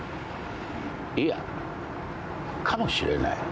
いやかもしれない。